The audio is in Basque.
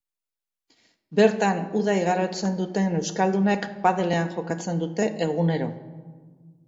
Bertan uda igarotzen duten euskaldunek padelean jokatzen dute egunero.